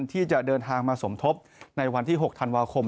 ที่จะเดินทางมาสมทบในวันที่๖ธันวาคม